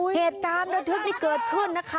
เหตุการณ์ระทึกนี่เกิดขึ้นนะคะ